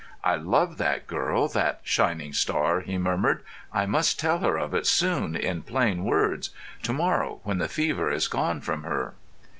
"I love that girl—that Shining Star!" he murmured. "I must tell her of it soon, in plain words—to morrow, when the fever is gone from her."